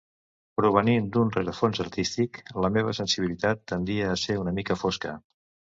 Provenint d'un rerefons artístic, la meva sensibilitat tendia a ser una mica fosca.